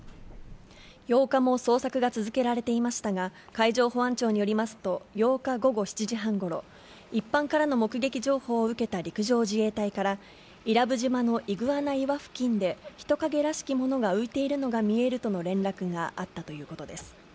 ８日も捜索が続けられていましたが、海上保安庁によりますと、８日午後７時半ごろ、一般からの目撃情報を受けた陸上自衛隊から、伊良部島のイグアナ岩付近で、人影らしきものが浮いているのが見えるとの連絡があったということです。